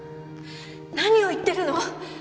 何を言ってるの！？